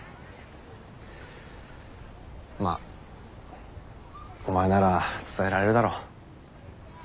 まあお前なら伝えられるだろ。